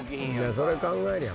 それ考えりゃ